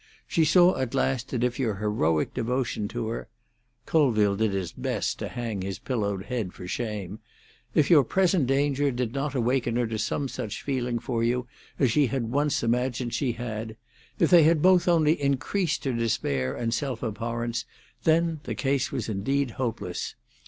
She saw at last that if your heroic devotion to her"—Colville did his best to hang his pillowed head for shame—"if your present danger did not awaken her to some such feeling for you as she had once imagined she had; if they both only increased her despair and self abhorrence, then the case was indeed hopeless.